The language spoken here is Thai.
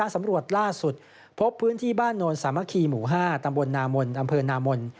สำรวจล่าสุดพบพื้นที่บ้านโนนสามัคคีหมู่๕ตำบลนามนอำเภอนามน